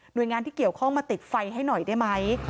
โดยงานที่เกี่ยวข้องมาติดไฟให้หน่อยได้ไหม